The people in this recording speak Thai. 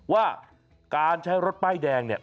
ว่าการใช้รถป้ายแดงเนี่ย